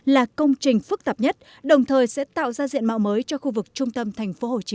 là công trình phức tạp nhất đồng thời sẽ tạo ra diện mạo mới cho khu vực trung tâm thành phố hồ chí